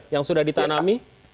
yang sudah ditanami